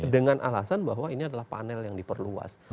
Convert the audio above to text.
dengan alasan bahwa ini adalah panel yang diperluas